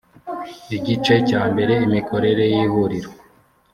igice cya mbere imikorere y ihuriro